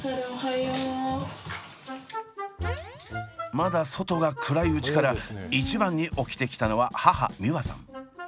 まだ外が暗いうちから一番に起きてきたのは母美和さん。